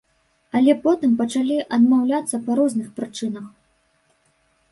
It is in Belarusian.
Але потым пачалі адмаўляцца па розных прычынах.